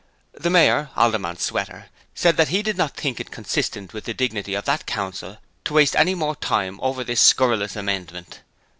The Mayor Alderman Sweater said that he did not think it consistent with the dignity of that Council to waste any more time over this scurrilous amendment.